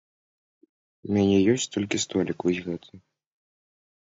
У мяне ёсць толькі столік вось гэты.